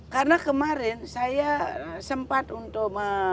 karena kemarin saya sempat untuk